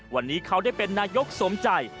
วันนี้เขาได้เป็นนายกสมใจ